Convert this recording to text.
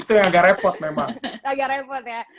itu yang agak repot memang agak repot ya